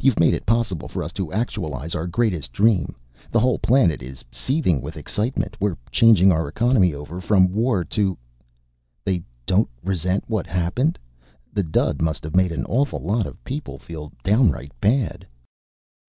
You've made it possible for us to actualize our greatest dream. The whole planet is seething with excitement. We're changing our economy over from war to " "They don't resent what happened? The dud must have made an awful lot of people feel downright bad."